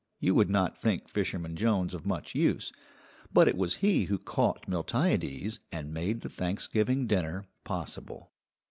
You would not think Fisherman Jones of much use, but it was he who caught Miltiades and made the Thanksgiving dinner possible.